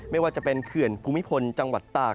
ไม่ว่าจะเป็นเขื่อนภูมิพลจังหวัดตาก